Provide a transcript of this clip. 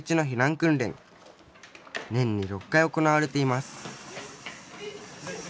年に６回行われています